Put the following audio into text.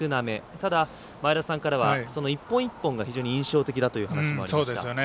ただ、前田さんからは一本一本が非常に印象的だという話がありました。